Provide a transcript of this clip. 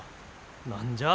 何じゃあ。